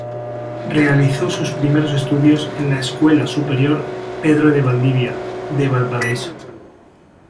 Realizó sus primeros estudios en la Escuela Superior ""Pedro de Valdivia"" de Valparaíso.